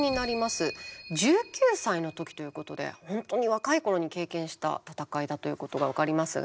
１９歳の時ということで本当に若い頃に経験した戦いだということが分かりますが。